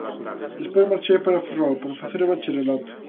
Despois marchei para Ferrol para facer o Bacharelato.